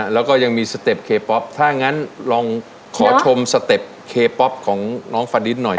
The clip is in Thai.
แล้วก็ยังมีสเต็ปเคป๊อปถ้างั้นลองขอชมสเต็ปเคป๊อปของน้องฟาดิสหน่อย